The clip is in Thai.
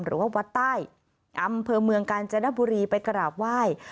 หรือว่าวัดใต้อำเภอเมืองกาญจนบุรีไปกราบไหว้